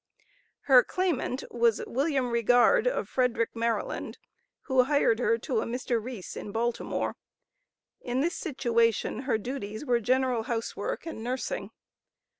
Her claimant was Wm. Rigard, of Frederick, Md., who hired her to a Mr. Reese, in Baltimore; in this situation her duties were general housework and nursing.